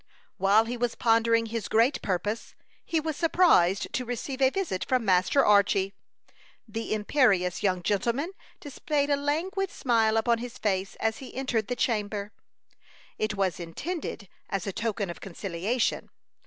While he was pondering his great purpose, he was surprised to receive a visit from Master Archy. The imperious young gentleman displayed a languid smile upon his face as he entered the chamber. It was intended as a token of conciliation.